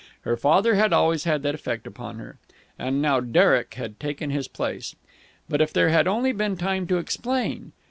Her father had always had that effect upon her, and now Derek had taken his place. But if there had only been time to explain....